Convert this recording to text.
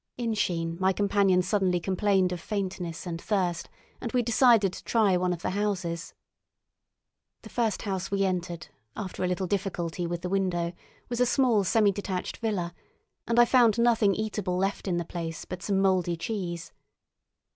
In Sheen my companion suddenly complained of faintness and thirst, and we decided to try one of the houses. The first house we entered, after a little difficulty with the window, was a small semi detached villa, and I found nothing eatable left in the place but some mouldy cheese.